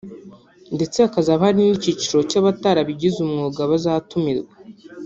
ndetse hakazaba hari n’icyiciro cy’abatarabigize umwuga bazatumirwa